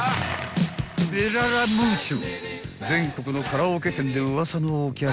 ［ベララムーチョ］